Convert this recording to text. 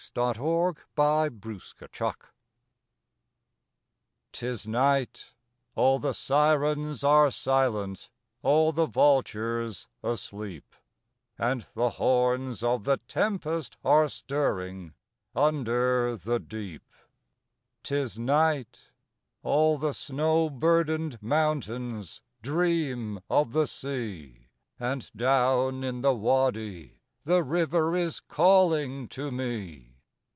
19 THE SONG OF SIVA 'T is Night; all the Sirens are silent, All the Vultures asleep; And the horns of the Tempest are stirring Under the Deep; T is Night; all the snow burdened Mountains Dream of the Sea, And down in the Wadi the River Is calling to me.